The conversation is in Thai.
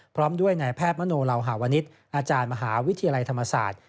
พร้อมด้วยนายแพทย์มโนลาวหาวนิษฐ์อาจารย์มหาวิทยาลัยธรรมศาสตร์